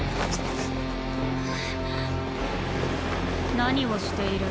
何をしている？